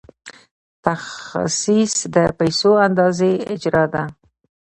تخصیص د پیسو د اندازې اجرا ده.